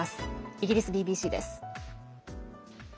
イギリスＢＢＣです。